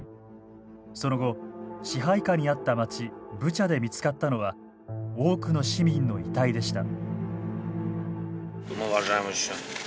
その後支配下にあった町ブチャで見つかったのは多くの市民の遺体でした。